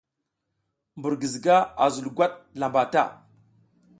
Mbur giziga a zul gwat lamba ta.